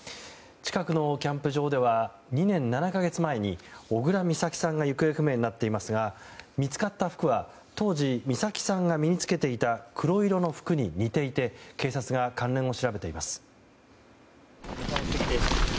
近くのキャンプ場では２年７か月前に小倉美咲さんが行方不明になっていますが見つかった服は当時美咲さんが身に着けていた黒色の服に似ていて警察が関連を調べています。